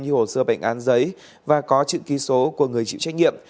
như hồ sơ bệnh án giấy và có chữ ký số của người chịu trách nhiệm